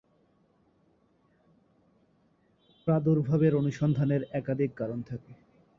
প্রাদুর্ভাবের অনুসন্ধানের একাধিক কারণ থাকে।